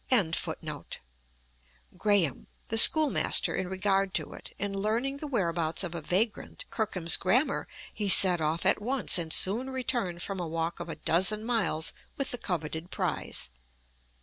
] Graham, the schoolmaster, in regard to it, and learning the whereabouts of a vagrant "Kirkham's Grammar," he set off at once and soon returned from a walk of a dozen miles with the coveted prize.